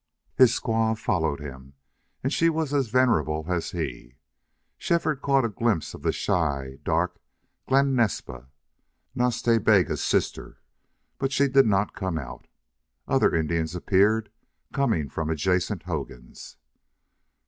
His squaw followed him, and she was as venerable as he. Shefford caught a glimpse of the shy, dark Glen Naspa, Nas Ta Bega's sister, but she did not come out. Other Indians appeared, coming from adjacent hogans.